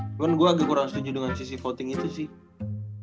cuman gue agak kurang setuju dengan sisi voting itu sih